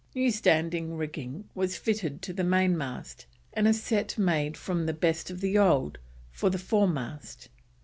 New standing rigging was fitted to the main mast, and a set made from the best of the old, for the fore mast.